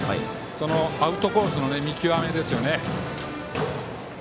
アウトコースの見極めですよね。